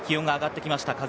気温が上がってきました。